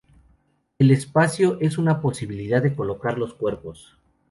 El espacio es una posibilidad de colocar los cuerpos.